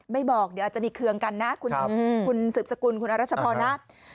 บอกเดี๋ยวอาจจะมีเครื่องกันนะคุณสืบสกุลคุณอรัชพรนะ